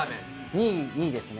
２位２位ですね。